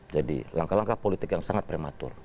jadi langkah langkah politik yang sangat prematur